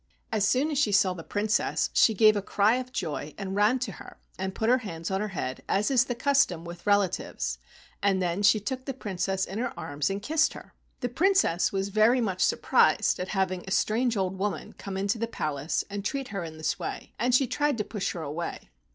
As soon as she saw the Princess she gave a cry of joy, and ran to her and put her hands on her head as is the custom with relatives, and then she took the Princess in her arms and kissed her. The Princess was very much surprised at having a strange old woman come into the palace and treat her in this way, and she tried to push her away.